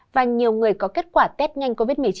và nhiều người có kết quả test nhanh covid một mươi chín